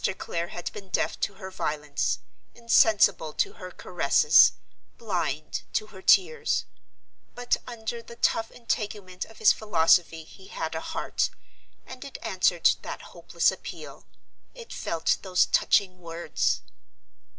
Clare had been deaf to her violence, insensible to her caresses, blind to her tears; but under the tough integument of his philosophy he had a heart—and it answered that hopeless appeal; it felt those touching words.